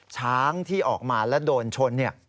ช้างที่ออกมาและโดนชน